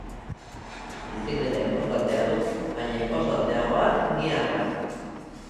Bizikleta inportantea duk, baina inportanteagoak giharrak...